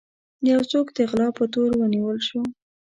يو څوک د غلا په تور ونيول شو.